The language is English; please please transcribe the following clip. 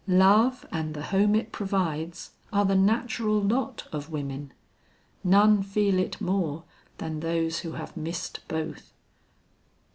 Love and the home it provides are the natural lot of women. None feel it more than those who have missed both."